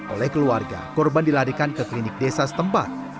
oleh keluarga korban dilarikan ke klinik desa setempat